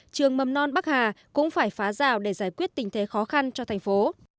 trường mầm non bắc hà cũng phải phá rào để giải quyết tình thế khó khăn cho thành phố